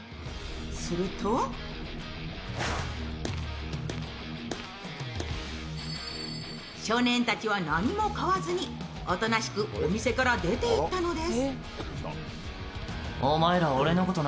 すると少年たちは何も買わずに、おとなしくお店から出ていったのです。